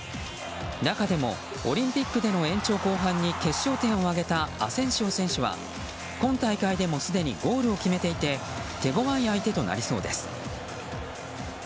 中でもオリンピックでの延長後半に決勝点を挙げたアセンシオ選手は今大会でもすでにゴールを決めていて手ごわい相手となりそうです。